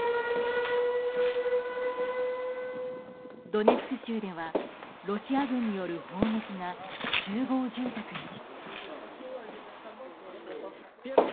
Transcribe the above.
ドネツク州ではロシア軍による砲撃が集合住宅に。